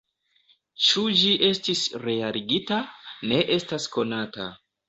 Ĉu ĝi estis realigita, ne estas konata.